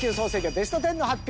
ベスト１０の発表です。